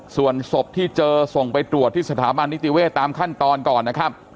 ส่วนศพที่เจอส่งไปตรวจที่สถาบันนิติเวศตามขั้นตอนก่อนนะครับ